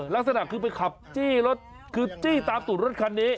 ลักษณะคือไปขับจี้รถคือจี้ตามตูดรถคันนี้